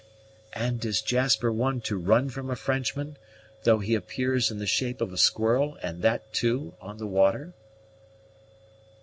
"And is Jasper one to run from a Frenchman, though he appears in the shape of a squirrel, and that, too, on the water?"